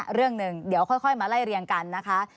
เรื่องหนึ่งเดี๋ยวค่อยมาไล่เรียงกันนะคะ